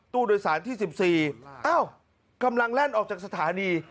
ตู้โดยสารที่๑๔อ้าวกำลังแล่นออกจากสถานี